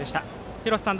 廣瀬さん